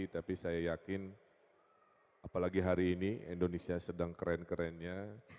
tapi saya yakin apalagi hari ini indonesia sedang keren kerennya